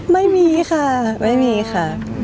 ไม่มีค่ะไม่มีค่ะ